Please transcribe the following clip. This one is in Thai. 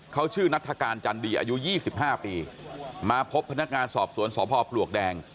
เขาชื่อนัฐกาลจันดีอายุ๒๕ปีมาพบพนักงานสอบสวนสพปลวกแดง